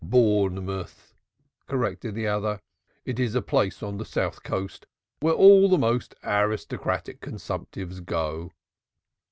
"Bournemouth," corrected the other. "It is a place on the South coast where all the most aristocratic consumptives go."